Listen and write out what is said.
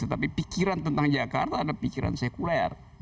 tetapi pikiran tentang jakarta adalah pikiran sekuler